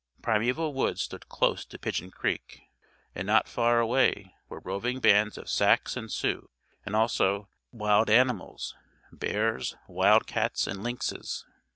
Primeval woods stood close to Pidgeon Creek, and not far away were roving bands of Sacs and Sioux, and also wild animals bears, wildcats, and lynxes.